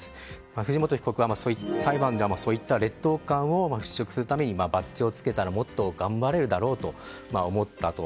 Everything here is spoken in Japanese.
藤本被告はそういった劣等感を払しょくするためにバッジをつけたらもっと頑張れると思ったと。